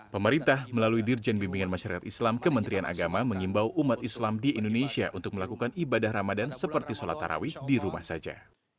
pemerintah melalui dirjen bimbingan masyarakat islam kementerian agama mengimbau umat islam di indonesia untuk melakukan ibadah ramadan seperti sholat tarawih di rumah saja